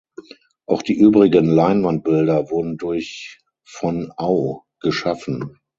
Auch die übrigen Leinwandbilder wurden durch von Au geschaffen.